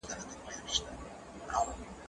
تمرين د زده کوونکي له خوا کيږي؟!